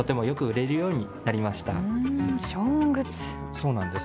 そうなんです。